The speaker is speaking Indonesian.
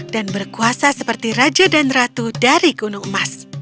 dan berkuasa seperti raja dan ratu dari gunung emas